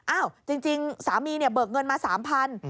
จริงสามีเนี่ยเบิกเงินมา๓๐๐บาท